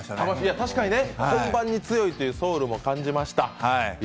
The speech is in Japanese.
確かに本番に強いというソウルも感じました。